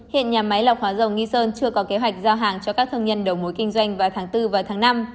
hiện nhà máy lọc hóa dầu nghi sơn chưa có kế hoạch giao hàng cho các thương nhân đầu mối kinh doanh vào tháng bốn và tháng năm